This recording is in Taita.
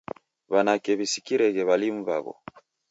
W'anake w'isikireghe w'alimu w'aw'o